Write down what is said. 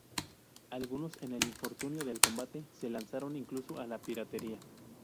Algunos, en el infortunio del combate, se lanzaron incluso a la piratería.